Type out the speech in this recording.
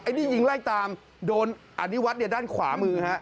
ไอ้นี่ยิงไล่ตามโดนอนิวัตรด้านขวามือ